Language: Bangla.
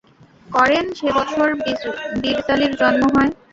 করেন সে বছর বিরযালীর জন্ম হয়।